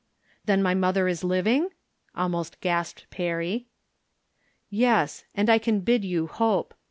"Then my mother is living?" almost gasped Perry. "Yes, and I can bid you hope.